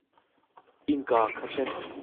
Innka kha hrenh.